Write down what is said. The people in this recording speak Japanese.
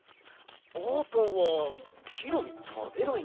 あーぷんはきのみたべないんだっけ？